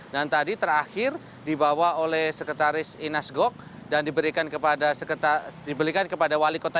dan tadi terakhir dibawa oleh sekretaris inas gok dan diberikan kepada wali kota yogyakarta